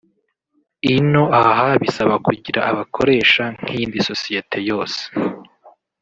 ino aha bisaba kugira abakoresha nk’iyindi sosiyete yose